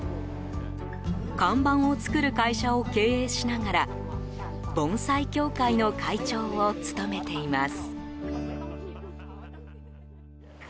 看板を作る会社を経営しながら盆栽協会の会長を務めています。